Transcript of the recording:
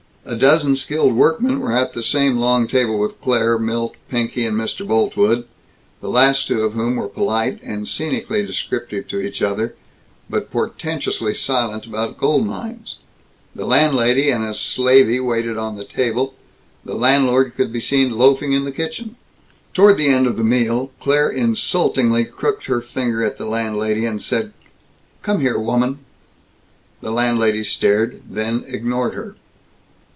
A dozen skilled workmen were at the same long table with Claire, Milt, Pinky, and Mr. Boltwood the last two of whom were polite and scenically descriptive to each other, but portentously silent about gold mines. The landlady and a slavey waited on table; the landlord could be seen loafing in the kitchen. Toward the end of the meal Claire insultingly crooked her finger at the landlady and said, "Come here, woman." The landlady stared, then ignored her.